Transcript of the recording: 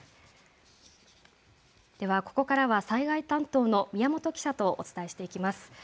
ではここからは災害担当の宮本記者とお伝えしていきます。